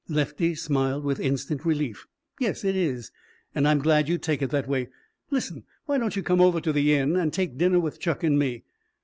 Lefty smiled with instant relief. "Yes, it is. And I'm glad you take it that way. Listen why don't you come over to the Inn and take dinner with Chuck and me?